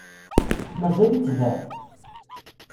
Mazal-itt da?